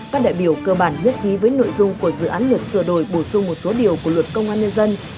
các đại biểu cơ bản nhất trí với nội dung của dự án luật sửa đổi bổ sung một số điều của luật công an nhân dân